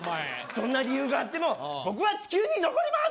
どんな理由があっても僕は地球に残ります